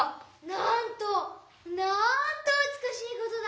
「なんとなんとうつくしいことだ！」。